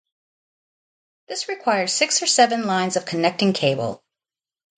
This required six or seven lines of connecting cable.